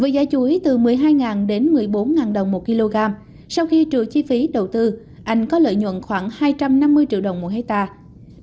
giá chuối từ một mươi hai đến một mươi bốn đồng một kg sau khi trừ chi phí đầu tư anh có lợi nhuận khoảng hai trăm năm mươi triệu đồng một hectare